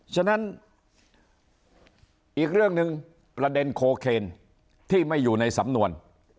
ฉะนั้นอีกเรื่องหนึ่งประเด็นโคเคนที่ไม่อยู่ในสำนวน